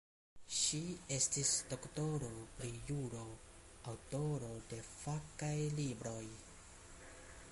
Ŝi estis doktoro pri juro, aŭtoro de fakaj libroj.